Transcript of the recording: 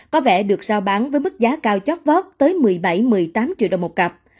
có vẻ được sao bán với mức giá cao chót vót tới một mươi bảy một mươi tám triệu đồng một cặp